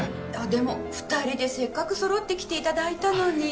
でも２人でせっかくそろって来ていただいたのに。